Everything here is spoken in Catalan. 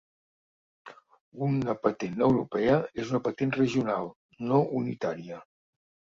Una patent europea és una patent regional, no unitària.